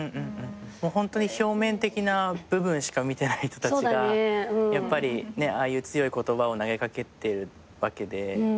ホントに表面的な部分しか見てない人たちがやっぱりああいう強い言葉を投げ掛けてるわけで。